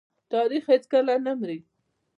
تاریخ چې هیڅکله نه مري.